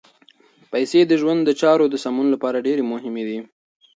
پیسې د ژوند د چارو د سمون لپاره ډېرې مهمې دي.